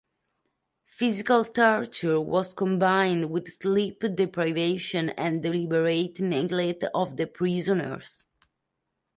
Physical torture was combined with sleep deprivation and deliberate neglect of the prisoners.